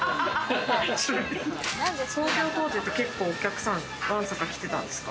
創業当時って、結構お客さん、わんさか来てたんですか？